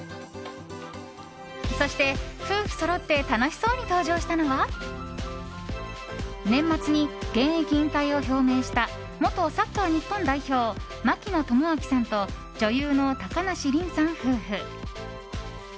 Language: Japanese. そして、夫婦そろって楽しそうに登場したのは年末に現役引退を表明した元サッカー日本代表槙野智章さんと女優の高梨臨さん夫婦。